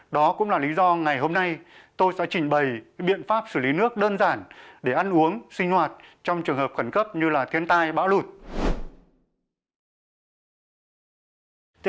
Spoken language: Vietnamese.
đó cũng là lý do ngày hôm nay tôi sẽ trình bày biện pháp xử lý nước đơn giản để ăn uống sinh hoạt trong trường hợp khẩn cấp như thiên tai bão lụt